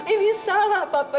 ini salah papa